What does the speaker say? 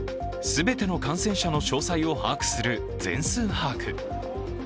全ての感染者の詳細を把握する全数把握。